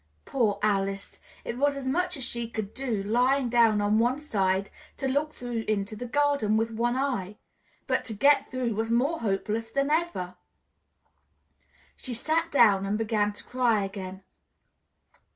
Poor Alice! It was as much as she could do, lying down on one side, to look through into the garden with one eye; but to get through was more hopeless than ever. She sat down and began to cry again.